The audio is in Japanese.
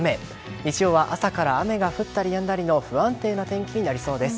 日曜は朝から雨が降ったりやんだりの不安定な天気になりそうです。